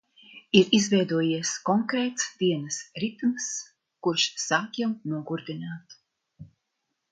Ir izveidojies konkrēts dienas ritms, kurš sāk jau nogurdināt.